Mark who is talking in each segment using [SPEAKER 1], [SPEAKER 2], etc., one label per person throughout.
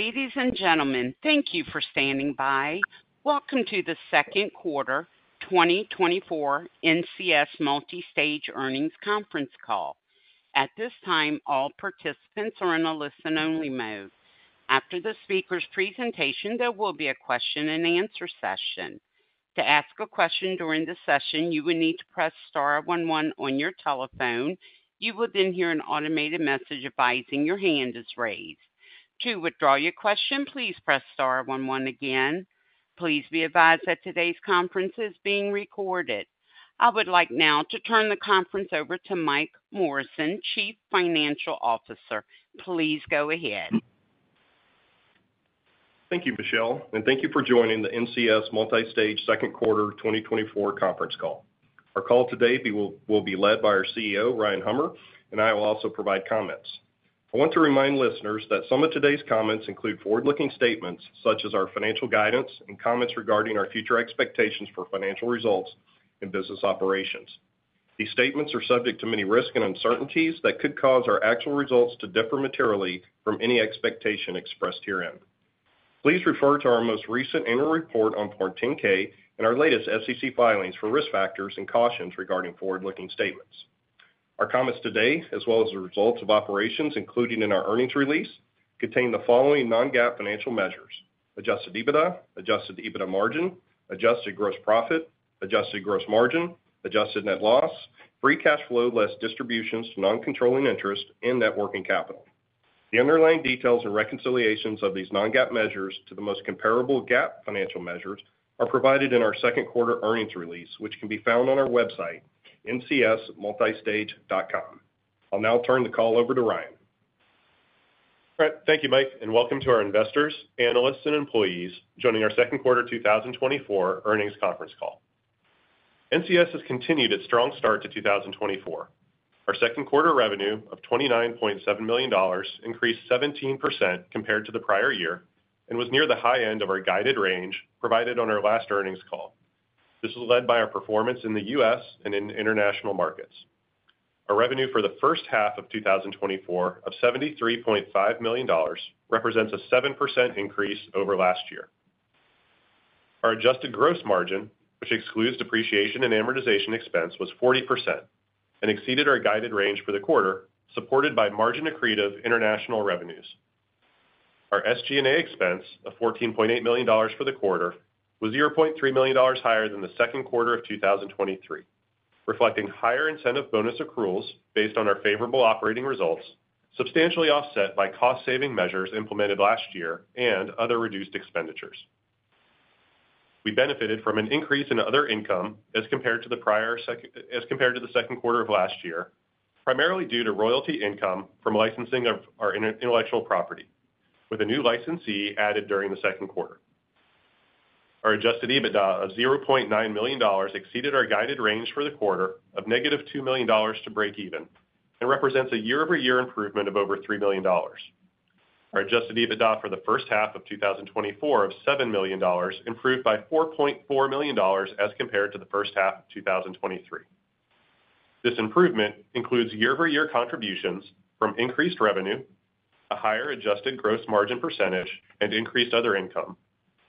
[SPEAKER 1] Ladies and gentlemen, thank you for standing by. Welcome to the second quarter 2024 NCS Multistage earnings conference call. At this time, all participants are in a listen-only mode. After the speaker's presentation, there will be a question-and-answer session. To ask a question during the session, you will need to press star one one on your telephone. You will then hear an automated message advising your hand is raised. To withdraw your question, please press star one one again. Please be advised that today's conference is being recorded. I would like now to turn the conference over to Mike Morrison, Chief Financial Officer. Please go ahead.
[SPEAKER 2] Thank you, Michelle, and thank you for joining the NCS Multistage second quarter 2024 conference call. Our call today will be led by our CEO, Ryan Hummer, and I will also provide comments. I want to remind listeners that some of today's comments include forward-looking statements, such as our financial guidance and comments regarding our future expectations for financial results and business operations. These statements are subject to many risks and uncertainties that could cause our actual results to differ materially from any expectation expressed herein. Please refer to our most recent annual report on Form 10-K and our latest SEC filings for risk factors and cautions regarding forward-looking statements. Our comments today, as well as the results of operations, including in our earnings release, contain the following non-GAAP financial measures: Adjusted EBITDA, Adjusted EBITDA Margin, Adjusted Gross Profit, Adjusted Gross Margin, Adjusted Net Loss, Free Cash Flow, less distributions to non-controlling interest in net working capital. The underlying details and reconciliations of these non-GAAP measures to the most comparable GAAP financial measures are provided in our second quarter earnings release, which can be found on our website, ncsmultistage.com. I'll now turn the call over to Ryan.
[SPEAKER 3] All right. Thank you, Mike, and welcome to our investors, analysts, and employees joining our second quarter 2024 earnings conference call. NCS has continued its strong start to 2024. Our second quarter revenue of $29.7 million increased 17% compared to the prior year and was near the high end of our guided range provided on our last earnings call. This was led by our performance in the US and in international markets. Our revenue for the first half of 2024 of $73.5 million represents a 7% increase over last year. Our Adjusted Gross Margin, which excludes depreciation and amortization expense, was 40% and exceeded our guided range for the quarter, supported by margin accretive international revenues. Our SG&A expense of $14.8 million for the quarter was $0.3 million higher than the second quarter of 2023, reflecting higher incentive bonus accruals based on our favorable operating results, substantially offset by cost-saving measures implemented last year and other reduced expenditures. We benefited from an increase in other income as compared to the second quarter of last year, primarily due to royalty income from licensing of our intellectual property, with a new licensee added during the second quarter. Our Adjusted EBITDA of $0.9 million exceeded our guided range for the quarter of -$2 million to break even and represents a year-over-year improvement of over $3 million. Our adjusted EBITDA for the first half of 2024 of $7 million improved by $4.4 million as compared to the first half of 2023. This improvement includes year-over-year contributions from increased revenue, a higher adjusted gross margin percentage, and increased other income,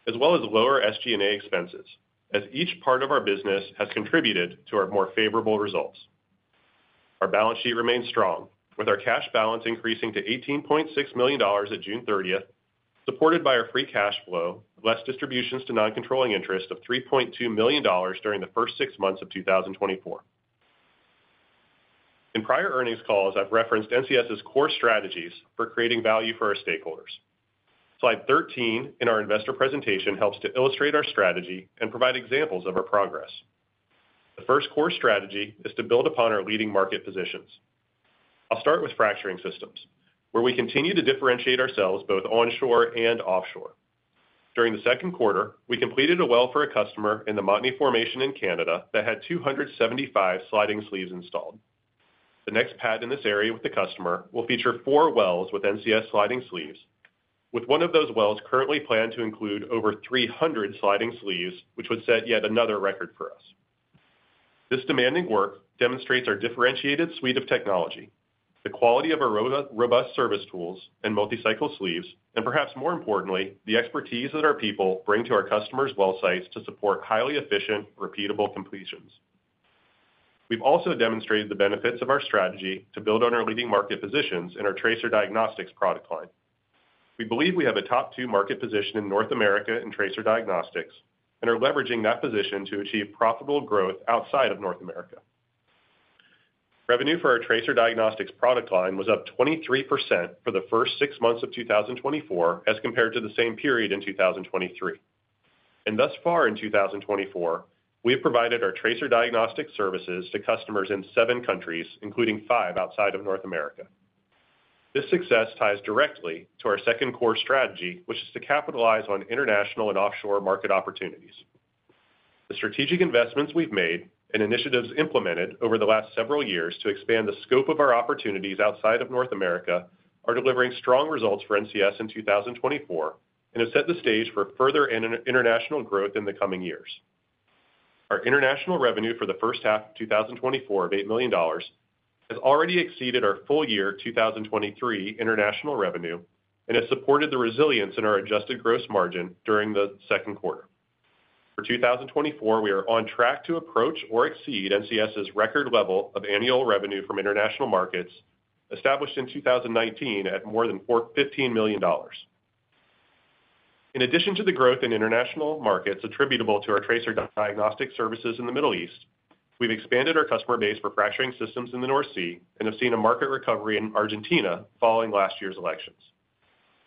[SPEAKER 3] as well as lower SG&A expenses, as each part of our business has contributed to our more favorable results. Our balance sheet remains strong, with our cash balance increasing to $18.6 million at June 30th, supported by our free cash flow, less distributions to non-controlling interests of $3.2 million during the first six months of 2024. In prior earnings calls, I've referenced NCS's core strategies for creating value for our stakeholders. Slide 13 in our investor presentation helps to illustrate our strategy and provide examples of our progress. The first core strategy is to build upon our leading market positions. I'll start with fracturing systems, where we continue to differentiate ourselves both onshore and offshore. During the second quarter, we completed a well for a customer in the Montney Formation in Canada that had 275 sliding sleeves installed. The next pad in this area with the customer will feature 4 wells with NCS sliding sleeves, with one of those wells currently planned to include over 300 sliding sleeves, which would set yet another record for us. This demanding work demonstrates our differentiated suite of technology, the quality of our robust service tools and MultiCycle sleeves, and perhaps more importantly, the expertise that our people bring to our customers' well sites to support highly efficient, repeatable completions. We've also demonstrated the benefits of our strategy to build on our leading market positions in our tracer diagnostics product line. We believe we have a top two market position in North America in tracer diagnostics and are leveraging that position to achieve profitable growth outside of North America. Revenue for our tracer diagnostics product line was up 23% for the first six months of 2024 as compared to the same period in 2023. Thus far in 2024, we have provided our tracer diagnostic services to customers in seven countries, including five outside of North America. This success ties directly to our second core strategy, which is to capitalize on international and offshore market opportunities. The strategic investments we've made and initiatives implemented over the last several years to expand the scope of our opportunities outside of North America are delivering strong results for NCS in 2024 and have set the stage for further international growth in the coming years. Our international revenue for the first half of 2024 of $8 million has already exceeded our full year 2023 international revenue, and has supported the resilience in our adjusted gross margin during the second quarter. For 2024, we are on track to approach or exceed NCS's record level of annual revenue from international markets, established in 2019 at more than $15 million. In addition to the growth in international markets attributable to our tracer diagnostic services in the Middle East, we've expanded our customer base for fracturing systems in the North Sea and have seen a market recovery in Argentina following last year's elections.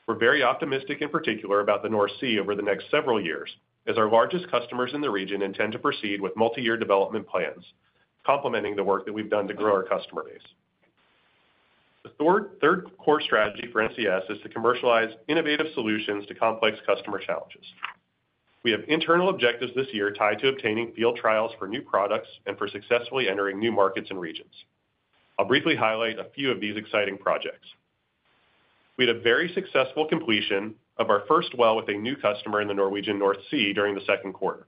[SPEAKER 3] We're very optimistic, in particular, about the North Sea over the next several years, as our largest customers in the region intend to proceed with multi-year development plans, complementing the work that we've done to grow our customer base. The third core strategy for NCS is to commercialize innovative solutions to complex customer challenges. We have internal objectives this year tied to obtaining field trials for new products and for successfully entering new markets and regions. I'll briefly highlight a few of these exciting projects. We had a very successful completion of our first well with a new customer in the Norwegian North Sea during the second quarter.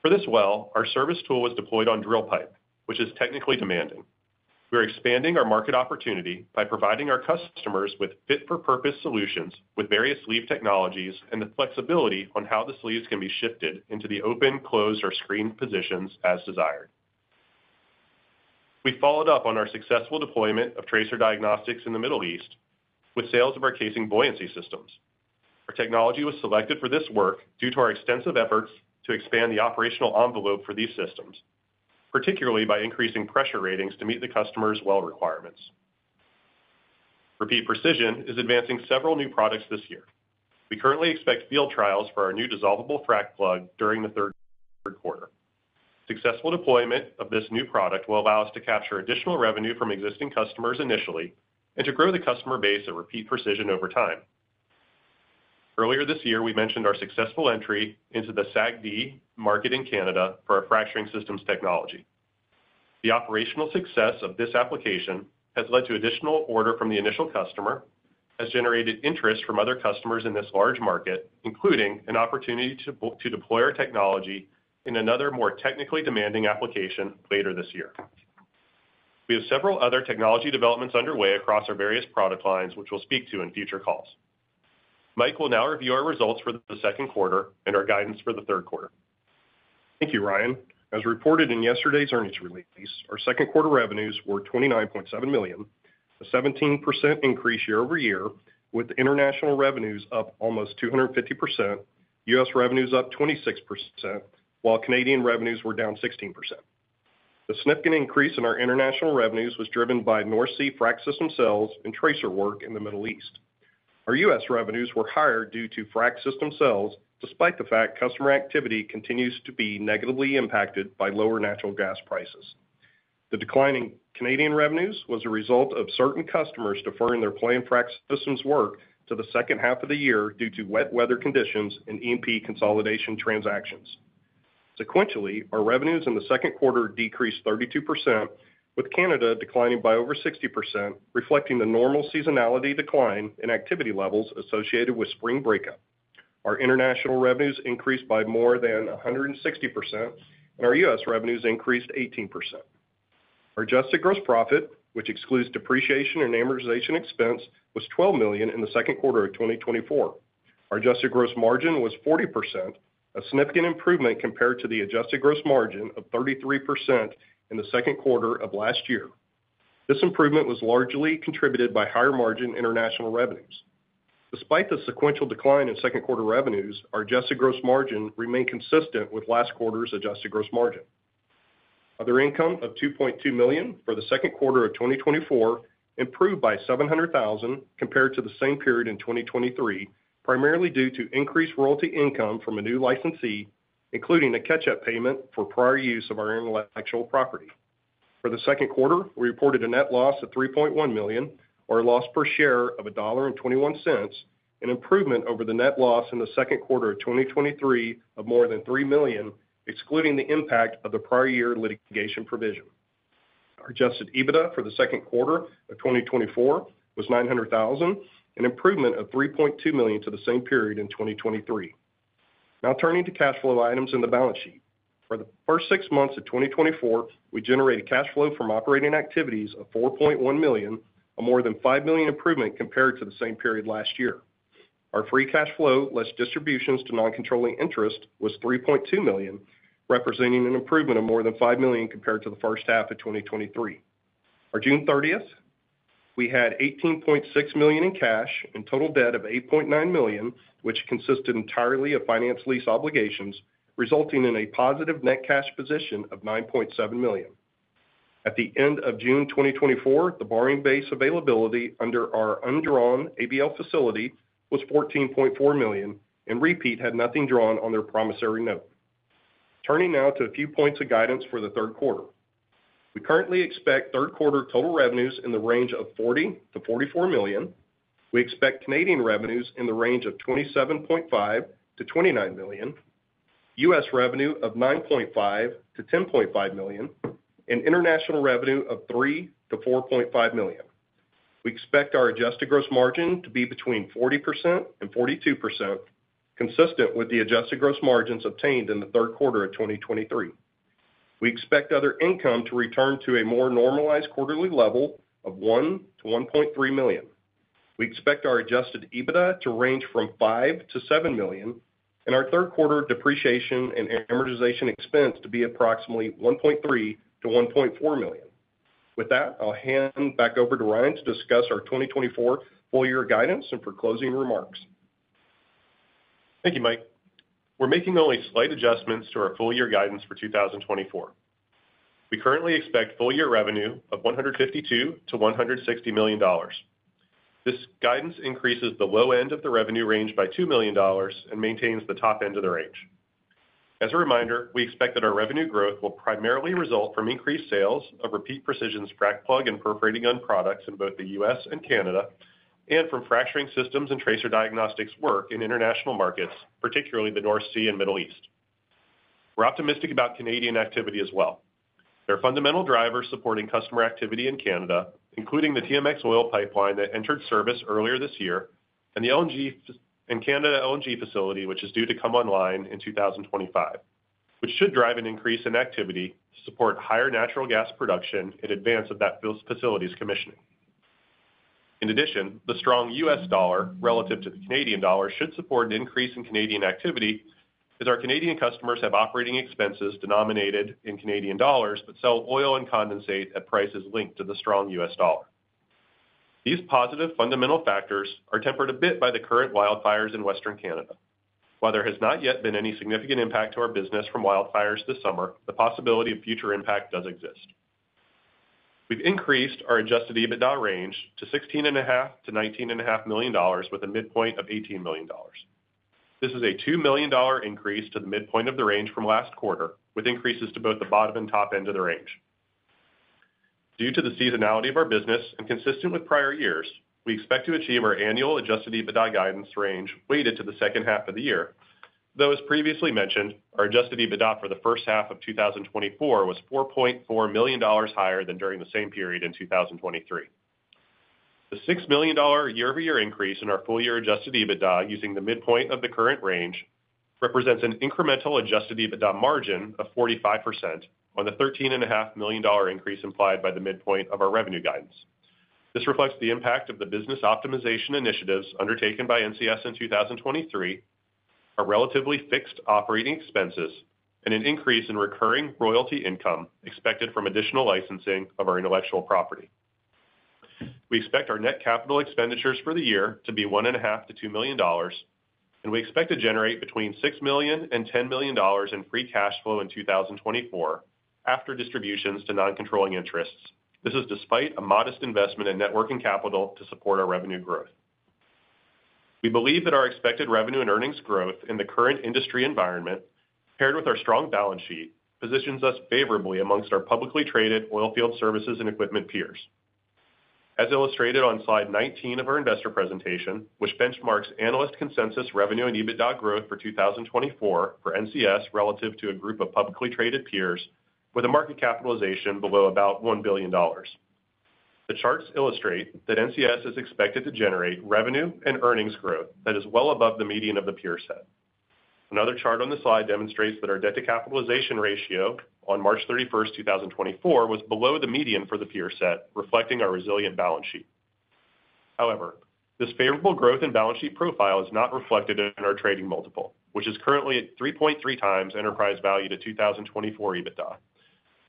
[SPEAKER 3] For this well, our service tool was deployed on drill pipe, which is technically demanding. We're expanding our market opportunity by providing our customers with fit-for-purpose solutions, with various sleeve technologies and the flexibility on how the sleeves can be shifted into the open, closed, or screened positions as desired. We followed up on our successful deployment of tracer diagnostics in the Middle East, with sales of our casing buoyancy systems. Our technology was selected for this work due to our extensive efforts to expand the operational envelope for these systems, particularly by increasing pressure ratings to meet the customer's well requirements. Repeat Precision is advancing several new products this year. We currently expect field trials for our new dissolvable frac plug during the third quarter. Successful deployment of this new product will allow us to capture additional revenue from existing customers initially, and to grow the customer base at Repeat Precision over time. Earlier this year, we mentioned our successful entry into the SAGD market in Canada for our fracturing systems technology. The operational success of this application has led to additional order from the initial customer, has generated interest from other customers in this large market, including an opportunity to deploy our technology in another, more technically demanding application later this year. We have several other technology developments underway across our various product lines, which we'll speak to in future calls. Mike will now review our results for the second quarter and our guidance for the third quarter.
[SPEAKER 2] Thank you, Ryan. As reported in yesterday's earnings release, our second quarter revenues were $29.7 million, a 17% increase year-over-year, with international revenues up almost 250%, US revenues up 26%, while Canadian revenues were down 16%. The significant increase in our international revenues was driven by North Sea frac system sales and tracer work in the Middle East. Our US revenues were higher due to frac system sales, despite the fact customer activity continues to be negatively impacted by lower natural gas prices. The decline in Canadian revenues was a result of certain customers deferring their planned frac systems work to the second half of the year due to wet weather conditions and E&P consolidation transactions. Sequentially, our revenues in the second quarter decreased 32%, with Canada declining by over 60%, reflecting the normal seasonality decline in activity levels associated with spring breakup. Our international revenues increased by more than 160%, and our U.S. revenues increased 18%. Our adjusted gross profit, which excludes depreciation and amortization expense, was $12 million in the second quarter of 2024. Our adjusted gross margin was 40%, a significant improvement compared to the adjusted gross margin of 33% in the second quarter of last year. This improvement was largely contributed by higher-margin international revenues. Despite the sequential decline in second quarter revenues, our adjusted gross margin remained consistent with last quarter's adjusted gross margin. Other income of $2.2 million for the second quarter of 2024 improved by $700,000 compared to the same period in 2023, primarily due to increased royalty income from a new licensee, including a catch-up payment for prior use of our intellectual property. For the second quarter, we reported a net loss of $3.1 million, or a loss per share of $1.21, an improvement over the net loss in the second quarter of 2023 of more than $3 million, excluding the impact of the prior year litigation provision. Our Adjusted EBITDA for the second quarter of 2024 was $900,000, an improvement of $3.2 million to the same period in 2023. Now turning to cash flow items in the balance sheet. For the first six months of 2024, we generated cash flow from operating activities of $4.1 million, a more than $5 million improvement compared to the same period last year. Our free cash flow, less distributions to non-controlling interests, was $3.2 million, representing an improvement of more than $5 million compared to the first half of 2023. On June 30th, we had $18.6 million in cash and total debt of $8.9 million, which consisted entirely of finance lease obligations, resulting in a positive net cash position of $9.7 million. At the end of June 2024, the borrowing base availability under our undrawn ABL facility was $14.4 million, and Repeat had nothing drawn on their promissory note. Turning now to a few points of guidance for the third quarter. We currently expect third quarter total revenues in the range of $40 million-$44 million. We expect Canadian revenues in the range of $27.5 million-$29 million, US revenue of $9.5 million-$10.5 million, and international revenue of $3 million-$4.5 million. We expect our Adjusted Gross Margin to be between 40% and 42%, consistent with the Adjusted Gross Margins obtained in the third quarter of 2023. We expect other income to return to a more normalized quarterly level of $1 million-$1.3 million. We expect our Adjusted EBITDA to range from $5 million-$7 million, and our third quarter depreciation and amortization expense to be approximately $1.3 million-$1.4 million. With that, I'll hand back over to Ryan to discuss our 2024 full year guidance and for closing remarks.
[SPEAKER 3] Thank you, Mike. We're making only slight adjustments to our full year guidance for 2024. We currently expect full year revenue of $152 million-$160 million. This guidance increases the low end of the revenue range by $2 million and maintains the top end of the range. As a reminder, we expect that our revenue growth will primarily result from increased sales of Repeat Precision's frac plug and perforating gun products in both the U.S. and Canada, and from fracturing systems and tracer diagnostics work in international markets, particularly the North Sea and Middle East. We're optimistic about Canadian activity as well. There are fundamental drivers supporting customer activity in Canada, including the TMX oil pipeline that entered service earlier this year, and the LNG Canada LNG facility, which is due to come online in 2025, which should drive an increase in activity to support higher natural gas production in advance of that facility's commissioning. In addition, the strong U.S. dollar relative to the Canadian dollar should support an increase in Canadian activity, as our Canadian customers have operating expenses denominated in Canadian dollars, but sell oil and condensate at prices linked to the strong U.S. dollar. These positive fundamental factors are tempered a bit by the current wildfires in Western Canada. While there has not yet been any significant impact to our business from wildfires this summer, the possibility of future impact does exist. We've increased our Adjusted EBITDA range to $16.5 million-$19.5 million, with a midpoint of $18 million. This is a $2 million increase to the midpoint of the range from last quarter, with increases to both the bottom and top end of the range. Due to the seasonality of our business and consistent with prior years, we expect to achieve our annual Adjusted EBITDA guidance range weighted to the second half of the year, though as previously mentioned, our Adjusted EBITDA for the first half of 2024 was $4.4 million higher than during the same period in 2023. The $6 million year-over-year increase in our full-year adjusted EBITDA, using the midpoint of the current range, represents an incremental adjusted EBITDA margin of 45% on the $13.5 million increase implied by the midpoint of our revenue guidance. This reflects the impact of the business optimization initiatives undertaken by NCS in 2023, our relatively fixed operating expenses, and an increase in recurring royalty income expected from additional licensing of our intellectual property. We expect our net capital expenditures for the year to be $1.5 million-$2 million, and we expect to generate between $6 million and $10 million in free cash flow in 2024 after distributions to non-controlling interests. This is despite a modest investment in net working capital to support our revenue growth. We believe that our expected revenue and earnings growth in the current industry environment, paired with our strong balance sheet, positions us favorably among our publicly traded oilfield services and equipment peers. As illustrated on slide 19 of our investor presentation, which benchmarks analyst consensus revenue and EBITDA growth for 2024 for NCS relative to a group of publicly traded peers with a market capitalization below about $1 billion. The charts illustrate that NCS is expected to generate revenue and earnings growth that is well above the median of the peer set. Another chart on the slide demonstrates that our debt to capitalization ratio on March 31st, 2024, was below the median for the peer set, reflecting our resilient balance sheet. However, this favorable growth and balance sheet profile is not reflected in our trading multiple, which is currently at 3.3x enterprise value to 2024 EBITDA.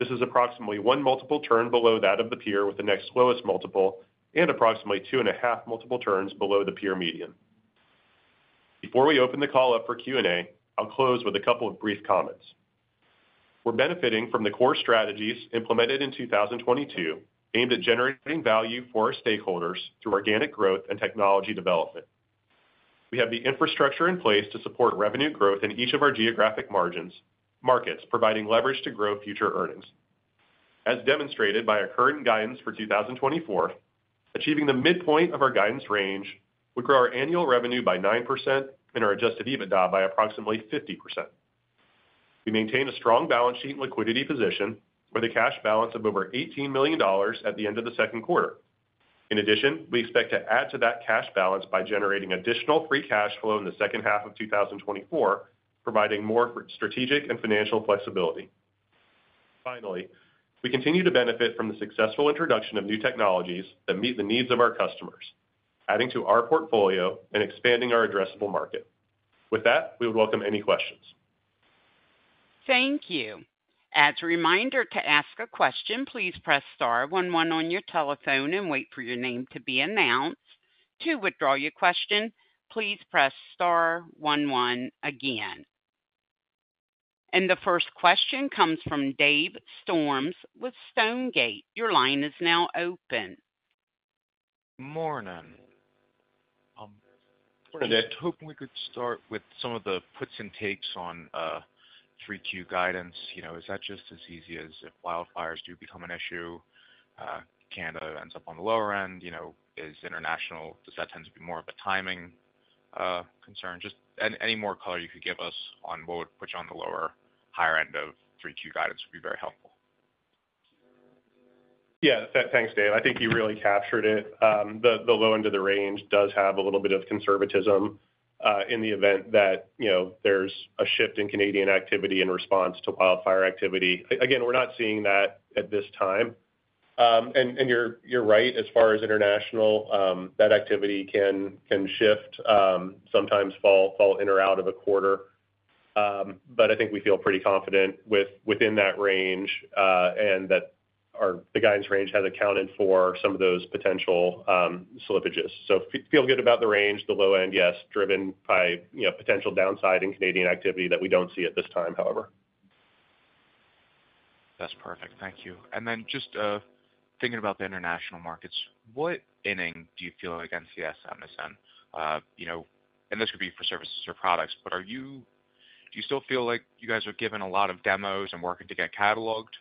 [SPEAKER 3] This is approximately one multiple turn below that of the peer with the next lowest multiple and approximately 2.5 multiple turns below the peer median. Before we open the call up for Q&A, I'll close with a couple of brief comments. We're benefiting from the core strategies implemented in 2022, aimed at generating value for our stakeholders through organic growth and technology development. We have the infrastructure in place to support revenue growth in each of our geographic markets, providing leverage to grow future earnings. As demonstrated by our current guidance for 2024, achieving the midpoint of our guidance range would grow our annual revenue by 9% and our Adjusted EBITDA by approximately 50%. We maintain a strong balance sheet and liquidity position with a cash balance of over $18 million at the end of the second quarter. In addition, we expect to add to that cash balance by generating additional Free Cash Flow in the second half of 2024, providing more strategic and financial flexibility. Finally, we continue to benefit from the successful introduction of new technologies that meet the needs of our customers, adding to our portfolio and expanding our addressable market. With that, we would welcome any questions.
[SPEAKER 1] Thank you. As a reminder to ask a question, please press star one one on your telephone and wait for your name to be announced. To withdraw your question, please press star one one again. The first question comes from Dave Storms with Stonegate. Your line is now open.
[SPEAKER 4] Morning.
[SPEAKER 3] Good morning.
[SPEAKER 4] I was hoping we could start with some of the puts and takes on 3Q guidance. You know, is that just as easy as if wildfires do become an issue, Canada ends up on the lower end? You know, is international, does that tend to be more of a timing?... concern, just any, any more color you could give us on what, which on the lower, higher end of 3Q guidance would be very helpful.
[SPEAKER 3] Yeah, thanks, Dave. I think you really captured it. The low end of the range does have a little bit of conservatism in the event that, you know, there's a shift in Canadian activity in response to wildfire activity. Again, we're not seeing that at this time. And you're right, as far as international, that activity can shift sometimes fall in or out of a quarter. But I think we feel pretty confident within that range, and that the guidance range has accounted for some of those potential slippages. So feel good about the range, the low end, yes, driven by, you know, potential downside in Canadian activity that we don't see at this time, however.
[SPEAKER 4] That's perfect. Thank you. And then just thinking about the international markets, what inning do you feel like NCS and, you know, and this could be for services or products. But are you do you still feel like you guys are given a lot of demos and working to get cataloged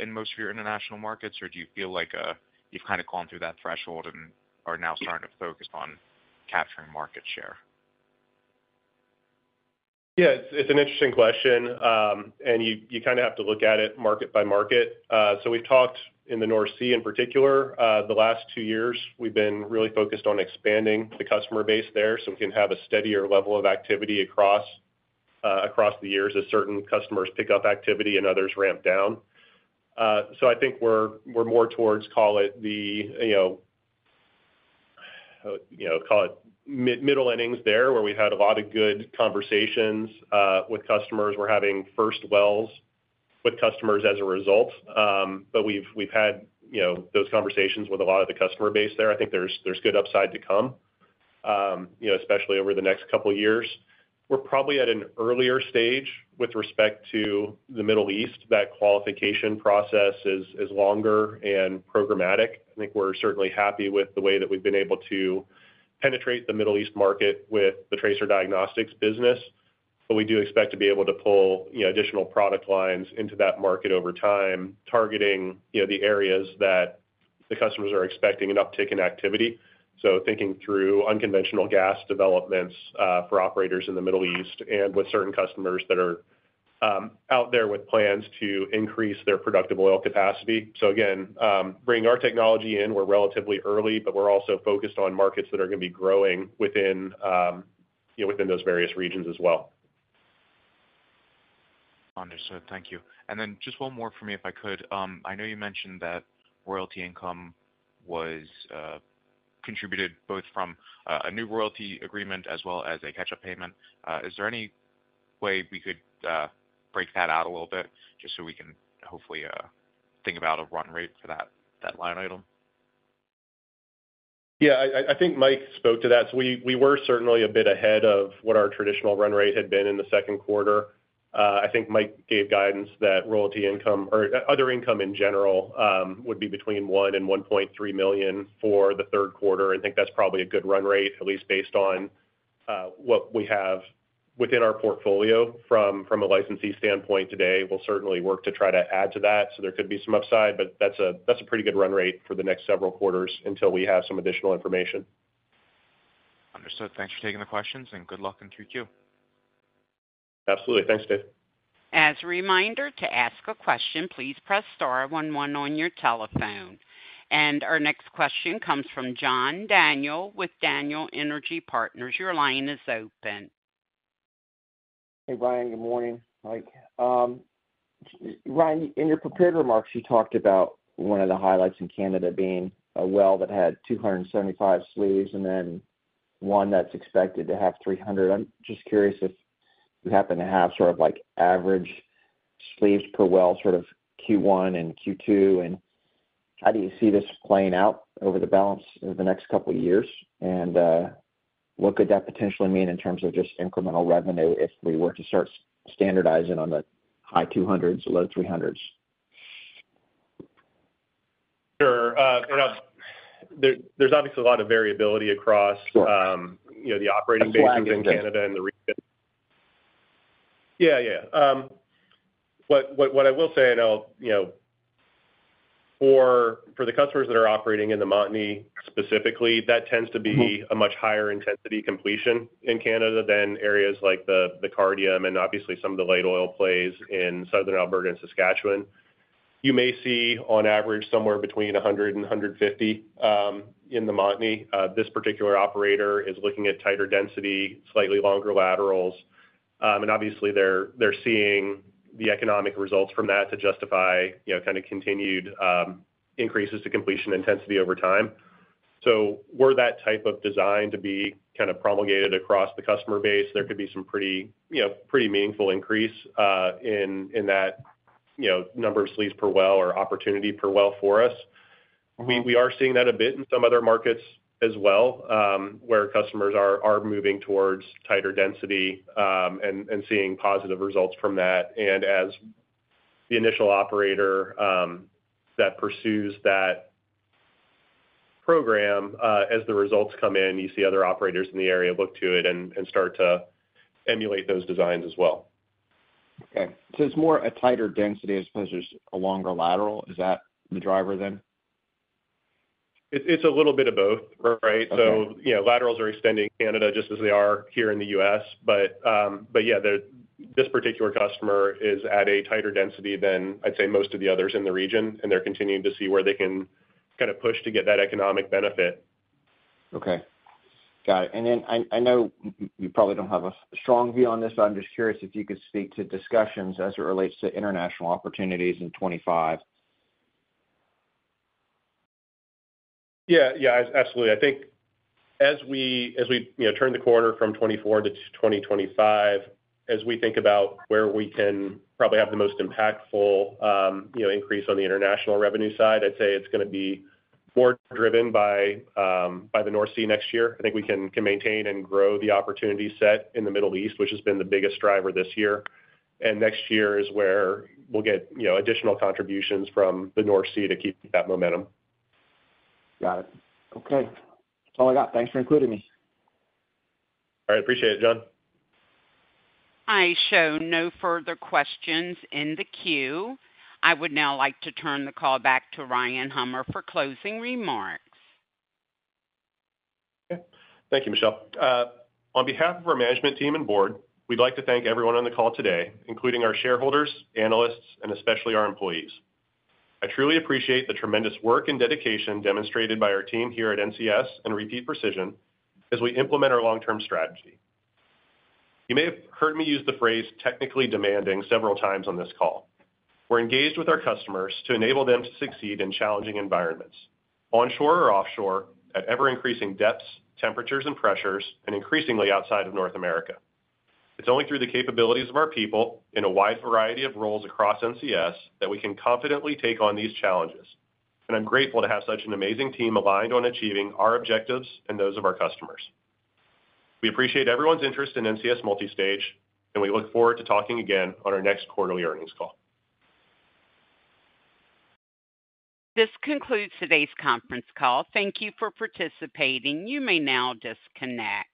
[SPEAKER 4] in most of your international markets? Or do you feel like you've kind of gone through that threshold and are now starting to focus on capturing market share?
[SPEAKER 3] Yeah, it's an interesting question. And you kind of have to look at it market by market. So we've talked in the North Sea in particular, the last two years, we've been really focused on expanding the customer base there, so we can have a steadier level of activity across across the years as certain customers pick up activity and others ramp down. So I think we're more towards, call it the, you know, you know, call it middle innings there, where we had a lot of good conversations with customers. We're having first wells with customers as a result. But we've had, you know, those conversations with a lot of the customer base there. I think there's good upside to come, you know, especially over the next couple of years. We're probably at an earlier stage with respect to the Middle East. That qualification process is longer and programmatic. I think we're certainly happy with the way that we've been able to penetrate the Middle East market with the tracer diagnostics business, but we do expect to be able to pull, you know, additional product lines into that market over time, targeting, you know, the areas that the customers are expecting an uptick in activity. So thinking through unconventional gas developments for operators in the Middle East and with certain customers that are out there with plans to increase their productive oil capacity. So again, bringing our technology in, we're relatively early, but we're also focused on markets that are gonna be growing within, you know, within those various regions as well.
[SPEAKER 4] Understood. Thank you. And then just one more for me, if I could. I know you mentioned that royalty income was contributed both from a new royalty agreement as well as a catch-up payment. Is there any way we could break that out a little bit just so we can hopefully think about a run rate for that, that line item?
[SPEAKER 3] Yeah, I think Mike spoke to that. So we were certainly a bit ahead of what our traditional run rate had been in the second quarter. I think Mike gave guidance that royalty income or other income in general would be between $1 million and $1.3 million for the third quarter. I think that's probably a good run rate, at least based on what we have within our portfolio from a licensee standpoint today. We'll certainly work to try to add to that. So there could be some upside, but that's a pretty good run rate for the next several quarters until we have some additional information.
[SPEAKER 4] Understood. Thanks for taking the questions, and good luck in 3Q.
[SPEAKER 3] Absolutely. Thanks, Dave.
[SPEAKER 1] As a reminder, to ask a question, please press star one one on your telephone. Our next question comes from John Daniel with Daniel Energy Partners. Your line is open.
[SPEAKER 5] Hey, Ryan. Good morning, Mike. Ryan, in your prepared remarks, you talked about one of the highlights in Canada being a well that had 275 sleeves, and then one that's expected to have 300. I'm just curious if you happen to have sort of like average sleeves per well, sort of Q1 and Q2, and how do you see this playing out over the balance of the next couple of years? And, what could that potentially mean in terms of just incremental revenue if we were to start standardizing on the high 200s, low 300s?
[SPEAKER 3] Sure. There's obviously a lot of variability across-
[SPEAKER 5] Sure...
[SPEAKER 3] you know, the operating bases in Canada and the region. Yeah, yeah. What I will say, and I'll, you know, for the customers that are operating in the Montney, specifically, that tends to be-
[SPEAKER 5] Mm-hmm...
[SPEAKER 3] a much higher intensity completion in Canada than areas like the, the Cardium and obviously some of the light oil plays in Southern Alberta and Saskatchewan. You may see, on average, somewhere between 100 and 150 in the Montney. This particular operator is looking at tighter density, slightly longer laterals. And obviously, they're, they're seeing the economic results from that to justify, you know, kind of continued increases to completion intensity over time. So were that type of design to be kind of promulgated across the customer base, there could be some pretty, you know, pretty meaningful increase in that, you know, number of sleeves per well or opportunity per well for us.
[SPEAKER 5] Mm-hmm.
[SPEAKER 3] We are seeing that a bit in some other markets as well, where customers are moving towards tighter density, and seeing positive results from that. And as the initial operator that pursues that program, as the results come in, you see other operators in the area look to it and start to emulate those designs as well....
[SPEAKER 5] Okay, so it's more a tighter density as opposed to just a longer lateral. Is that the driver then?
[SPEAKER 3] It's a little bit of both, right?
[SPEAKER 5] Okay.
[SPEAKER 3] So, you know, laterals are extending in Canada just as they are here in the U.S. But, but yeah, this particular customer is at a tighter density than I'd say most of the others in the region, and they're continuing to see where they can kind of push to get that economic benefit.
[SPEAKER 5] Okay, got it. And then I know you probably don't have a strong view on this, so I'm just curious if you could speak to discussions as it relates to international opportunities in 2025.
[SPEAKER 3] Yeah, yeah, absolutely. I think as we you know, turn the corner from 2024 to 2025, as we think about where we can probably have the most impactful, you know, increase on the international revenue side, I'd say it's gonna be more driven by the North Sea next year. I think we can maintain and grow the opportunity set in the Middle East, which has been the biggest driver this year. And next year is where we'll get, you know, additional contributions from the North Sea to keep that momentum.
[SPEAKER 5] Got it. Okay. That's all I got. Thanks for including me.
[SPEAKER 3] All right. Appreciate it, John.
[SPEAKER 1] I show no further questions in the queue. I would now like to turn the call back to Ryan Hummer for closing remarks.
[SPEAKER 3] Okay. Thank you, Michelle. On behalf of our management team and board, we'd like to thank everyone on the call today, including our shareholders, analysts, and especially our employees. I truly appreciate the tremendous work and dedication demonstrated by our team here at NCS and Repeat Precision as we implement our long-term strategy. You may have heard me use the phrase technically demanding several times on this call. We're engaged with our customers to enable them to succeed in challenging environments, onshore or offshore, at ever-increasing depths, temperatures and pressures, and increasingly outside of North America. It's only through the capabilities of our people in a wide variety of roles across NCS, that we can confidently take on these challenges, and I'm grateful to have such an amazing team aligned on achieving our objectives and those of our customers. We appreciate everyone's interest in NCS Multistage, and we look forward to talking again on our next quarterly earnings call.
[SPEAKER 1] This concludes today's conference call. Thank you for participating. You may now disconnect.